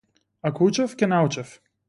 Ако учев ќе научев.